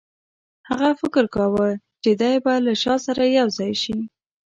هغه فکر کاوه چې دی به له شاه سره یو ځای شي.